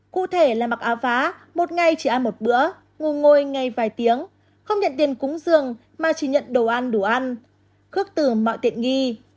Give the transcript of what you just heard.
cụ thể là mặc áo vá một ngày chỉ ăn một bữa ngủ ngồi ngay vài tiếng không nhận tiền cúng dường mà chỉ nhận đồ ăn đủ ăn khước tử mọi tiện nghi